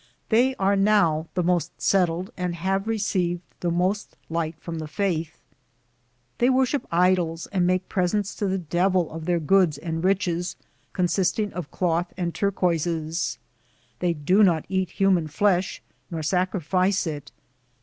They are now the most settled and have re ceived the most light from the faith. They worship idols and make presents to the devil of their goods and riches, consisting of cloth and turquoises. They do not eat human flesh nor sacrifice it.